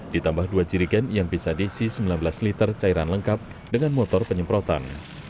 ditambah dua jirigen yang bisa diisi sembilan belas liter cairan lengkap dengan motor penyemprotan